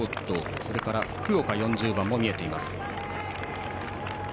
それから福岡も見えています。